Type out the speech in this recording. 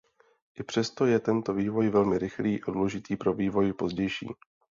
I přesto je tento vývoj velmi rychlý a důležitý pro vývoj pozdější.